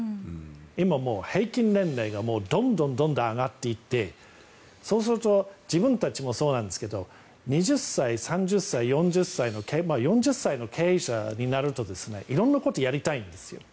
今、平均年齢がどんどん上がっていってそうすると自分たちもそうなんですけど２０歳、３０歳、４０歳４０歳の経営者になると色んなことをやりたいんですよ。